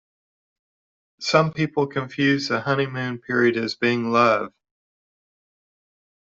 Some people confuse the honeymoon period as being love.